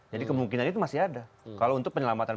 jadi kemungkinan itu masih ada kalau untuk penyelamatan